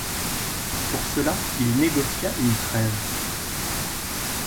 Pour cela, il négocia une trêve.